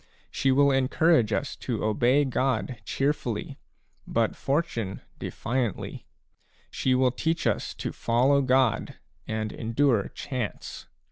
She will en courage us to obey God cheerfully, but Fortune defiantly ; she will teach us to follow God and endure Chance.